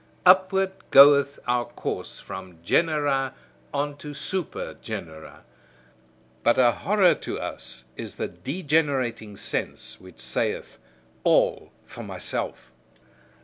Upward goeth our course from genera on to super genera. But a horror to us is the degenerating sense, which saith: "All for myself."